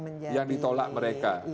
menjadi yang ditolak mereka